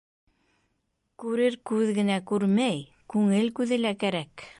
Күрер күҙ генә күрмәй, күңел күҙе лә кәрәк.